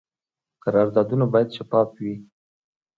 قراردادونه باید شفاف وي